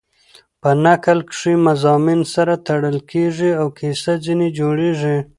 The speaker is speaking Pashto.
په نکل کښي مضامین سره تړل کېږي او کیسه ځیني جوړېږي.